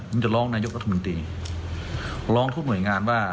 ผมจะล้องนายกาธมดิรองทั่วหน่วยงานว่า